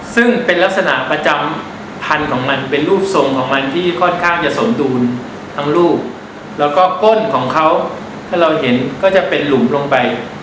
ซึ่งเป็นลักษณะประจำพันธุ์ของมันเป็นรูปทรงของมันที่ค่อนข้างจะสมดุลทั้งรูปแล้วก็ก้นของเขาถ้าเราเห็นก็จะเป็นหลุมลงไป